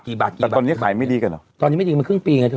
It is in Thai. แต่ตอนนี้ขายไม่ดีกันเหรอตอนนี้ไม่ดีมาครึ่งปีไงเธอ